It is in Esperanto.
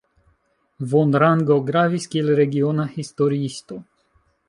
Von Rango gravis kiel regiona historiisto.